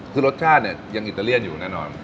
คือรสชาติเนี่ยยังอิตาเลียนอยู่แน่นอน